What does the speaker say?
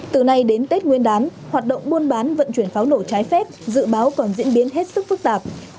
từ nay đến tết nguyên đán hoạt động buôn bán vận chuyển pháo nổ trái phép dự báo còn diễn biến hết sức phức tạp